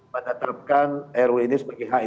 menetapkan ru ini sebagai